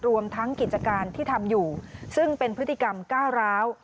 รวมทั้งกิจการที่ทำอยู่ซึ่งเป็นพฤติกรรมก้าวร้าว